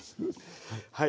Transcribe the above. はい。